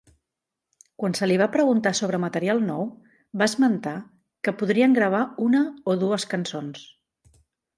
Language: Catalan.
Quan se li va preguntar sobre material nou, va esmentar que podrien gravar una o dues cançons.